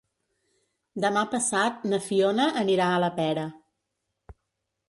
Demà passat na Fiona anirà a la Pera.